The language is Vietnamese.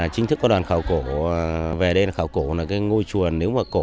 chính thức có đoàn khảo cổ về đây là khảo cổ là cái ngôi chùa nếu mà cổ